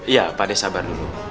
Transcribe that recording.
iya pak d sabar dulu